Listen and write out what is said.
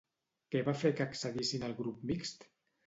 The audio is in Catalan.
Què va fer que accedissin al grup mixt?